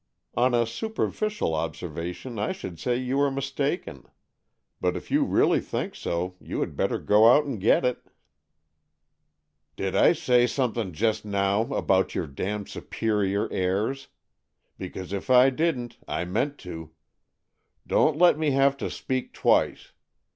" On a superficial observation I should say you are mistaken. But if you really think so, you had better go out and get it." 170 AN EXCHANGE OF SOULS '' Did I say something just now about your damned superior airs? because if I didn't, I meant to. Don't let me have to speak twice.